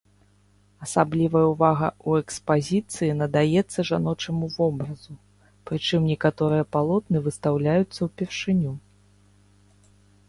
Асаблівая ўвага ў экспазіцыі надаецца жаночаму вобразу, прычым некаторыя палотны выстаўляюцца ўпершыню.